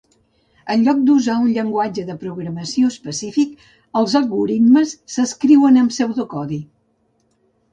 Enlloc d"usar un llenguatge de programació específic, els algoritmes s"escriuen en pseudocodi.